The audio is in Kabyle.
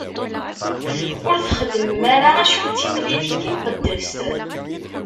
Ur txeddmem ara acku d timlilit timqeddest.